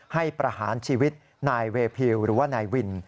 ประหารชีวิตนายเวพิวหรือว่านายวิน